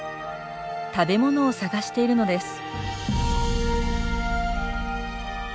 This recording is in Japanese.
食べ物を探しているのです。